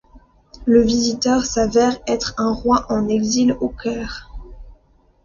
Le visiteur s'avère être un roi en exil au Caire.